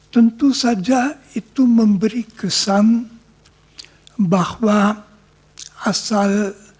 tentu saja itu memberi kesan bahwa asal